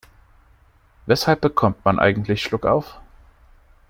Weshalb bekommt man eigentlich Schluckauf?